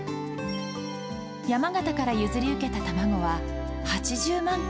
山形から譲り受けた卵は８０万個。